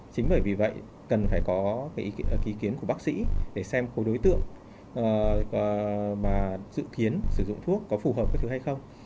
chính bởi vì vậy cần phải có cái ý kiến của bác sĩ để xem có đối tượng mà dự kiến sử dụng thuốc có phù hợp với thứ hay không